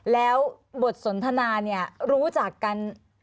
แล้วบทสนทนาเนี่ยรู้จักกัน